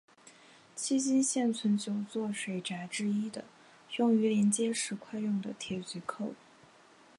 迄今现存九座水闸之一的用于连接石块用的铁锔扣。